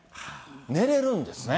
寝れるんですね。